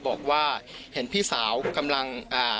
บอกว่าเห็นพี่สาวกำลังอ่า